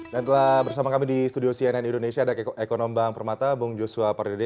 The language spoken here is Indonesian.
dan telah bersama kami di studio cnn indonesia ada ekonom bang permata bang joshua pardede